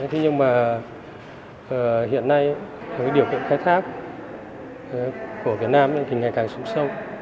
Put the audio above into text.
thế nhưng mà hiện nay với điều kiện khai thác của việt nam thì ngày càng xuống sâu